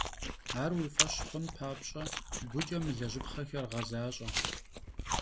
Ar vui f'eş xhun papş'e, guç'e mı lejıpxhexer ğezaş'e.